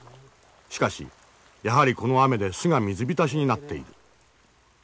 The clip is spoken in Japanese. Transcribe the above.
しかしやはりこの雨で巣が水浸しになっている。